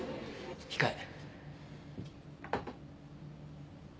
控え